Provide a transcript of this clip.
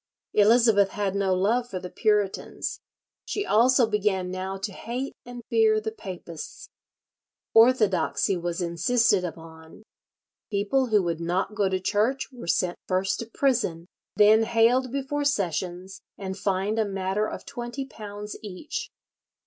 Elizabeth had no love for the Puritans; she also began now to hate and fear the papists. Orthodoxy was insisted upon. People who would not go to church were sent first to prison, then haled before Sessions and fined a matter of twenty pounds each.